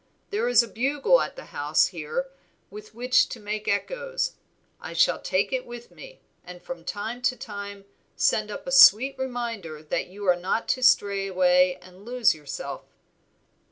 There is a bugle at the house here with which to make the echoes, I shall take it with me, and from time to time send up a sweet reminder that you are not to stray away and lose yourself."